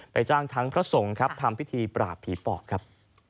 จ้างทั้งพระสงฆ์ครับทำพิธีปราบผีปอบครับ